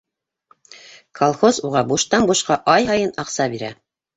Колхоз уға буштан- бушҡа ай һайын аҡса бирә.